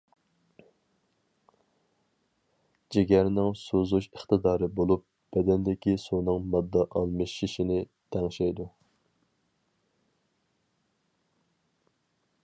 جىگەرنىڭ سۈزۈش ئىقتىدارى بولۇپ، بەدەندىكى سۇنىڭ ماددا ئالمىشىشىنى تەڭشەيدۇ.